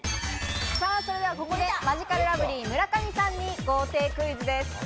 それではここで、マヂカルラブリーの村上さんにクイズです。